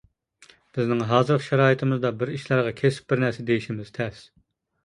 بىزنىڭ ھازىرقى شارائىتىمىزدا بىر ئىشلارغا كېسىپ بىرنەرسە دېيىشىمىز تەس.